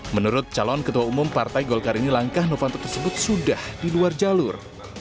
menurut calon ketua umum partai golkar ini langkah novanto tersebut sudah di luar jalur